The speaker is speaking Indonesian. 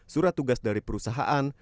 surat tugas dari perusahaan